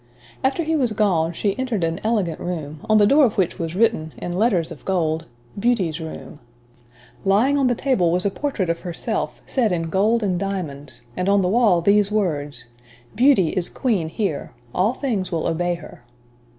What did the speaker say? After he was gone, she entered an elegant room, on the door of which was written, in letters of gold, "Beauty's room." Lying on the table was a portrait of herself, set in gold and diamonds, and on the wall, these words: "_Beauty is Queen here; all things will obey her.